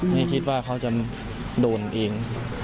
ไม่คิดว่าเขาจะโดนเอง